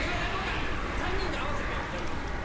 ３人で合わせてやりますんで。